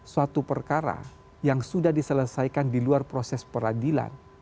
suatu perkara yang sudah diselesaikan di luar proses peradilan